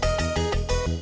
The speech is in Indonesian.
ya ada tiga orang